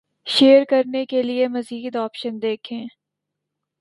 share کرنے کے لیے مزید آپشن دیکھ„یں